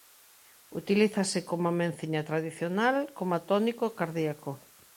Utilízase coma menciña tradicional coma tónico cardíaco.